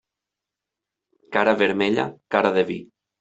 Cara vermella, cara de vi.